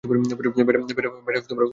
বেটা খুবই স্পেশাল।